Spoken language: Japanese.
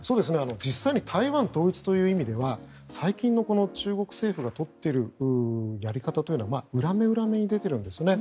実際に台湾統一という意味では最近の中国政府が取っているやり方というのは裏目裏目に出ているんですね。